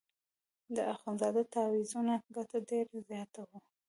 د اخندزاده د تاویزانو ګټه ډېره زیاته وه.